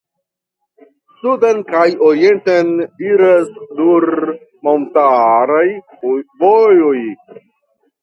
Suden kaj orienten iras nur montaraj vojoj.